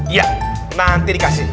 iya nanti dikasih